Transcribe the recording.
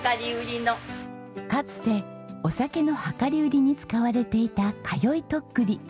かつてお酒の量り売りに使われていた通い徳利。